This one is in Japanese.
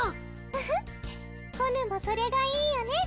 フフッコヌもそれがいいよね？